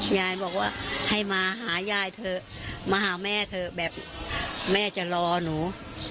ยายบอกว่าให้มาหายายเถอะมาหาแม่เถอะแบบแม่จะรอหนู